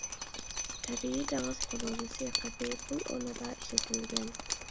تەبىئىي دېڭىز قۇلۇلىسى قېپى پۇل ئورنىدا ئىشلىتىلگەن.